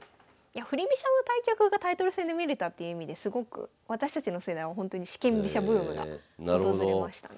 振り飛車の対局がタイトル戦で見れたっていう意味ですごく私たちの世代はほんとに四間飛車ブームが訪れましたね。